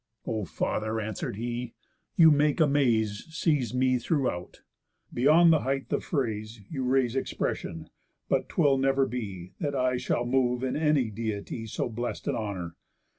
"O father," answer'd he, "you make amaze Seize me throughout. Beyond the height of phrase You raise expression; but 'twill never be, That I shall move in any Deity So blest an honour.